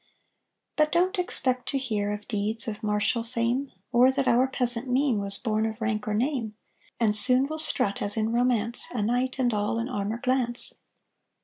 But don't expect to hear Of deeds of martial fame, Or that our peasant mean Was born of rank or name, And soon will strut, As in romance, A knight and all In armour glance.